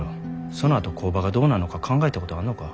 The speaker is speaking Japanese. そのあと工場がどうなんのか考えたことあんのか？